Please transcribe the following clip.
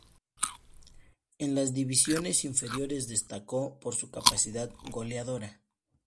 En las divisiones inferiores destacó por su capacidad goleadora.